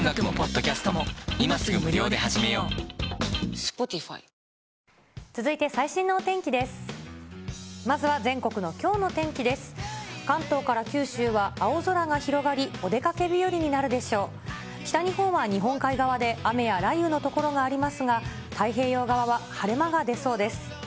北日本は日本海側で雨や雷雨の所がありますが、太平洋側は晴れ間が出そうです。